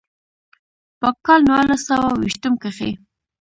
پۀ کال نولس سوه ويشتم کښې